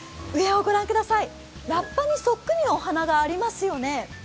上を御覧ください、ラッパにそっくりのお花がありますよね。